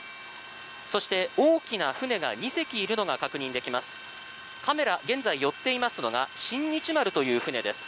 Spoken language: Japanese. そして大きな船が２隻いるのが確認できます。